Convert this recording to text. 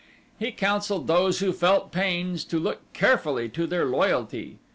He counseled those who felt pains to look carefully to their loyalty.